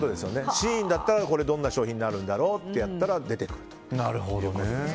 ＳＨＥＩＮだったらどんな商品になるんだろうとやったら出てくると。